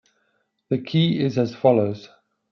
The key is as follows.